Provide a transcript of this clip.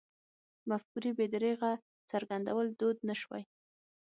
مفکورې بې درېغه څرګندول دود نه شوی.